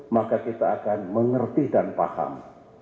maka kita akan mengerti dan paham